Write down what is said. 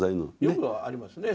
よくありますね。